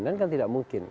dan kan tidak mungkin